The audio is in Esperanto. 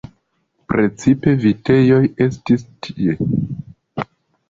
Precipe vitejoj estis tie.